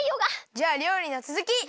じゃありょうりのつづき！